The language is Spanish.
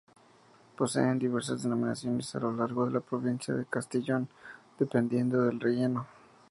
Poseen diversas denominaciones a lo largo de la provincia de Castellón, dependiendo del relleno.